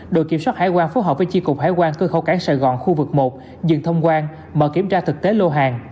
đội kiểm soát hải quan phối hợp với chi cục hải quan cơ khẩu cảng sài gòn khu vực một dừng thông quan mở kiểm tra thực tế lô hàng